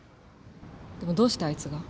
でもどうしてあいつが？